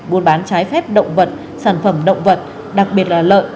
buôn bán trái phép động vật sản phẩm động vật đặc biệt là lợn